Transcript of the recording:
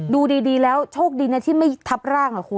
ดูดีแล้วโชคดีนะที่ไม่ทับร่างนะคุณ